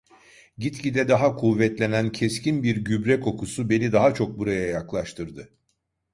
Gitgide daha kuvvetlenen keskin bir gübre kokusu beni daha çok buraya yaklaştırdı.